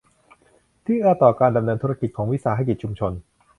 ที่เอื้อต่อการดำเนินธุรกิจของวิสาหกิจชุมชน